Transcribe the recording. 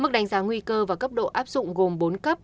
mức đánh giá nguy cơ và cấp độ áp dụng gồm bốn cấp